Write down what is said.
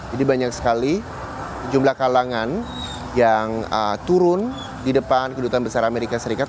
jadi banyak sekali jumlah kalangan yang turun di depan kedutuan besar amerika serikat